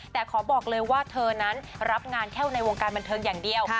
แต่ขอบอกเลยว่าเธอนั้นรับงานแค่ในวงการบันเทิงอย่างเดียว